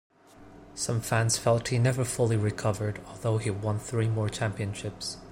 Some fans felt he never fully recovered, although he won three more championships.